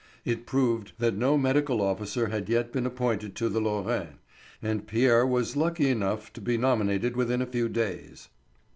It proved that no medical officer had yet been appointed to the Lorraine, and Pierre was lucky enough to be nominated within a few days.